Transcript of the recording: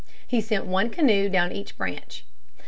He sent one canoe down each branch.